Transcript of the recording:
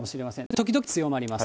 時々強まります。